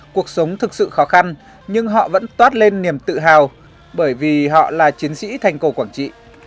cuộc sống thực sự khó khăn nhưng họ vẫn toát lên niềm tự hào bởi vì họ là chiến sĩ thành cổ quảng trị